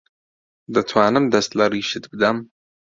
دەتوانم دەست لە ڕیشت بدەم؟